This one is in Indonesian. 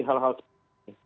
hal hal seperti ini